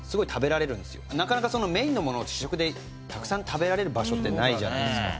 なかなかメインのものを試食でたくさん食べられる場所ってないじゃないですか。